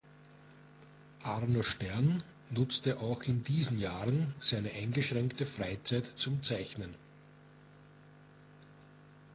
Arno Stern nutzte auch in diesen Jahren seine eingeschränkte Freizeit zum Zeichnen.